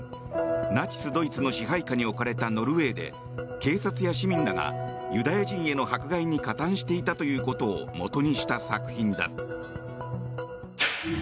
ナチス・ドイツの支配下に置かれたノルウェーで警察や市民らがユダヤ人への迫害に加担していたことをもとにした作品だ。